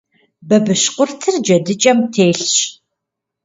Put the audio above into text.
Бабыщкъуртыр джэдыкӏэм телъщ.